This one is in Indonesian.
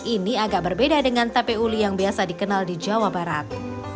ini agak berbeda dengan tape uli yang biasa dikenal di jawa barat